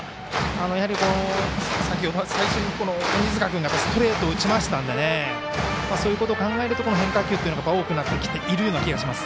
やはり、最初に鬼塚君がストレートを打ちましたのでそういうことを考えると変化球が多くなってきているような気がします。